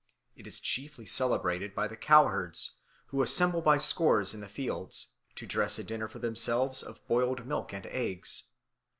It is chiefly celebrated by the cow herds, who assemble by scores in the fields, to dress a dinner for themselves, of boiled milk and eggs.